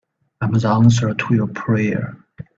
I'm the answer to your prayer.